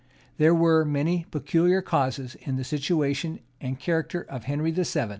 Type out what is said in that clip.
There were many peculiar causes in the situation and character of Henry VII.